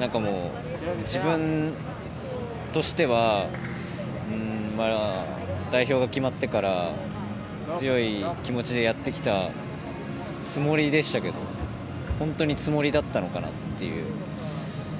なんかもう、自分としてはまだ代表が決まってから強い気持ちでやってきたつもりでしたけど本当につもりだったのかなという。